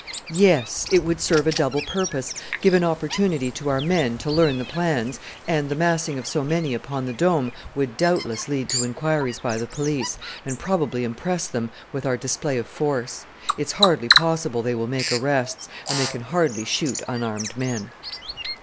"Yes. It would serve a double purpose: give an opportunity to our men to learn the plans; and the massing of so many upon the Dome would doubtless lead to inquiries by the police, and probably impress them with our display of force. It is hardly possible they will make arrests, and they can hardly shoot unarmed men."